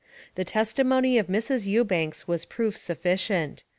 The testimony of Mrs. Ewbanks was proof sufficient.